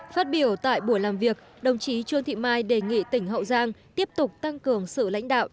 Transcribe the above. phát biểu tại buổi làm việc đồng chí trương thị mai đề nghị tỉnh hậu giang tiếp tục tăng cường sự lãnh đạo